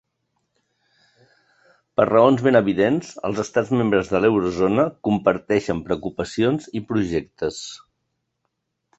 Per raons ben evidents, els estats membres de l’eurozona comparteixen preocupacions i projectes.